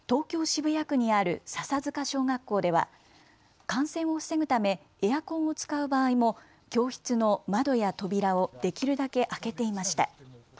渋谷区にある笹塚小学校では感染を防ぐためエアコンを使う場合も教室の窓や扉をできるだけ開けていました。